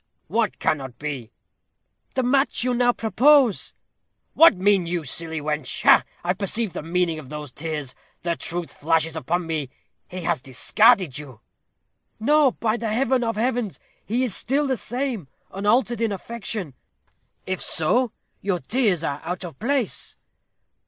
"What cannot be?" "The match you now propose." "What mean you, silly wench? Ha! I perceive the meaning of those tears. The truth flashes upon me. He has discarded you." "No, by the Heaven of Heavens, he is still the same unaltered in affection." "If so, your tears are out of place."